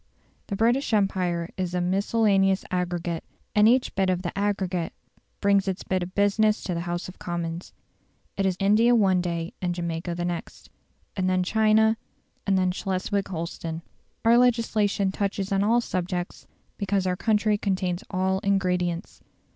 The British Empire is a miscellaneous aggregate, and each bit of the aggregate brings its bit of business to the House of Commons. It is India one day and Jamaica the next; then again China, and then Schleswig Holstein. Our legislation touches on all subjects, because our country contains all ingredients.